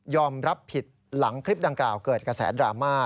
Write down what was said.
รับผิดหลังคลิปดังกล่าวเกิดกระแสดราม่า